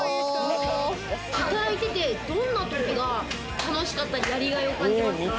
働いてて、どんなときに仕事のやりがいを感じますか？